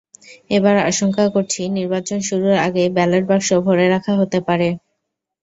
এবার আশঙ্কা করছি, নির্বাচন শুরুর আগেই ব্যালট বাক্স ভরে রাখা হতে পারে।